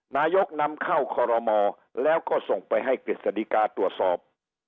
นายกนำเข้าคอรมอแล้วก็ส่งไปให้กฤษฎิกาตรวจสอบ